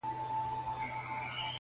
لا پر سوځلو ښاخلو پاڼي لري-